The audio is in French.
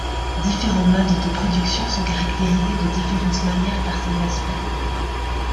Différents modes de production sont caractérisés de différentes manières par ces aspects.